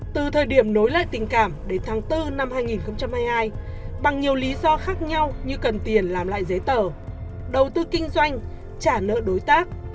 từ thời điểm nối lại tình cảm đến tháng bốn năm hai nghìn hai mươi hai bằng nhiều lý do khác nhau như cần tiền làm lại giấy tờ đầu tư kinh doanh trả nợ đối tác